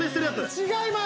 違います